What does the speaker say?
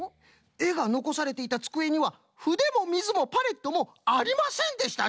えがのこされていたつくえにはふでもみずもパレットもありませんでしたぞ！